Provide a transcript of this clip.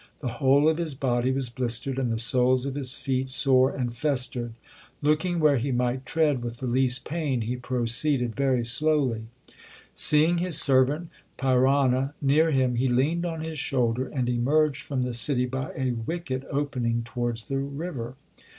The whole of his body was blistered, and the soles of his feet sore and festered. Looking where he might tread with the least pain he pro LIFE OF GURU ARJAN 99 ceeded very slowly. Seeing his servant Pirana near him he leaned on his shoulder, and emerged from the city by a wicket opening towards the river.